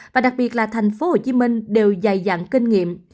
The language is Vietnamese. và đặc biệt là tp hcm đều dài dạng kinh nghiệm